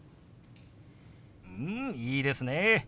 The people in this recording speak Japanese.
うんいいですねえ。